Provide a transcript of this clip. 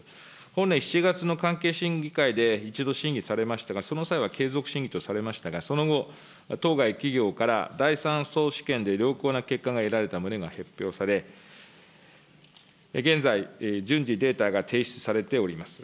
本年７月の関係審議会で一度審議されましたが、その際は継続審議とされましたが、その後、当該企業から第３相試験で良好な結果が得られた旨が発表され、現在、順次データが提出されております。